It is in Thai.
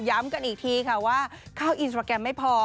กันอีกทีค่ะว่าเข้าอินสตราแกรมไม่พอ